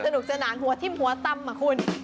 สนุกสนานหัวทิ้มหัวตำอ่ะคุณ